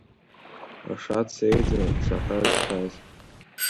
Аша дсеиӡа ҵаҳәа сҭаз.